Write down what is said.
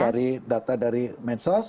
dari data dari medsos